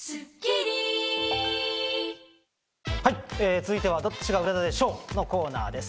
続いてはどっちが売れたでＳＨＯＷ！のコーナーです。